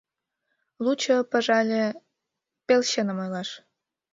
Лучо, пожале, пел чыным ойлаш.